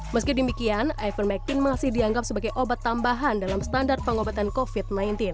meski demikian ivermectin masih dianggap sebagai obat tambahan dalam standar pengobatan covid sembilan belas